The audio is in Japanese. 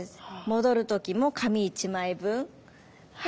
戻る時も紙１枚分。